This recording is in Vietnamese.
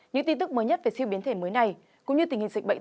những tin tức mới nhất về siêu biến thể mới này cũng như tình hình dịch bệnh